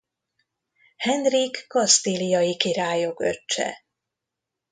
Henrik kasztíliai királyok öccse.